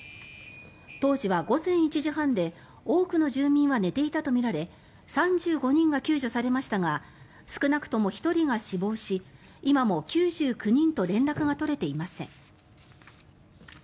当時は午前１時半で多くの住民は寝ていたとみられ３５人が救助されましたが少なくとも１人が死亡し今も９９人と連絡が取れていません。